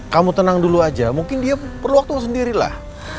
kamu tenang dulu aja mungkin dia perlu waktu sendiri lah